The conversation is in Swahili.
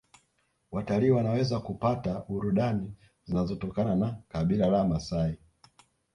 Watalii wanaweza kupata burudani zinazotokana na kabila la maasai